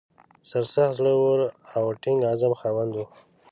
سرسخت، زړه ور او د ټینګ عزم خاوند و.